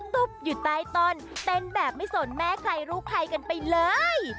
ตุ๊บอยู่ใต้ต้นเต้นแบบไม่สนแม่ใครลูกใครกันไปเลย